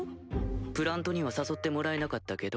プラントには誘ってもらえなかったけど。